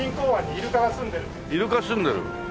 イルカ棲んでる。